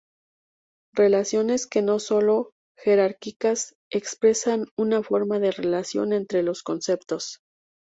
Relaciones que no son jerárquicas expresan una forma de relación entre los conceptos.